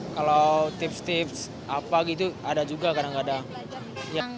kalau tips tips apa gitu ada juga kadang kadang